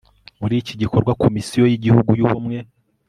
muri iki gikorwa komisiyo y igihugu y ubumwe